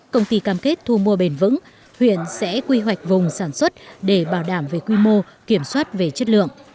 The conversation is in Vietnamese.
công ty cam kết thu mua bền vững huyện sẽ quy hoạch vùng sản xuất để bảo đảm về quy mô kiểm soát về chất lượng